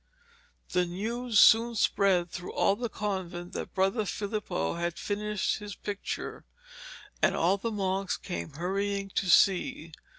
The news soon spread through all the convent that Brother Filippo had finished his picture, and all the monks came hurrying to see.